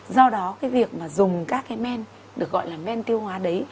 do đó cái việc mà dùng các cái men được gọi là men tiêu hóa đấy